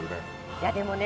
いやでもね